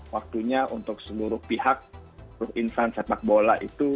waktunya untuk seluruh pihak insan sepak bola itu